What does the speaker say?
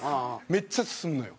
めっちゃ進むのよ。